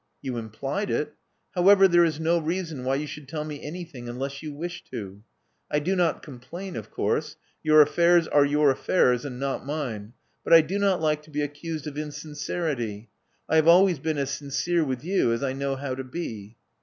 "You implied it. However, there is no reason why you should tell me anything unless you wish to. I do not complain, of course ; your affairs are your affairs and not mine. But I do not like to be accused of insincerity. I have always been as sincere with you as I know how to be."